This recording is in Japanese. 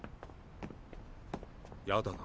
やだな。